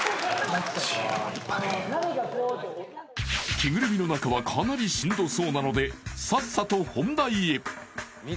着ぐるみの中はかなりしんどそうなのでさっさと本題へ！